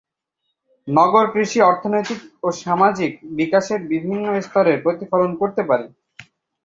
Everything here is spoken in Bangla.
নগর কৃষি অর্থনৈতিক ও সামাজিক বিকাশের বিভিন্ন স্তরের প্রতিফলন করতে পারে।